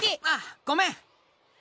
ああごめん。